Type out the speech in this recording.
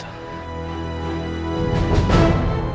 aku pun juga seperti itu